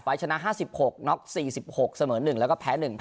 ไฟล์ทชนะห้าสิบหกน็อกสี่สิบหกเสมอหนึ่งแล้วก็แพ้หนึ่ง